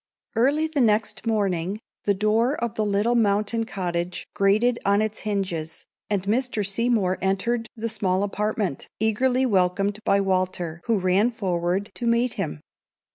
_ Early the next morning the door of the little mountain cottage grated on its hinges, and Mr. Seymour entered the small apartment, eagerly welcomed by Walter, who ran forward to meet him.